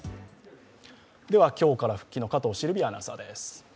では今日から復帰の加藤シルビアアナウンサーです。